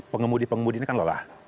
pengemudi pengemudi ini kan lelah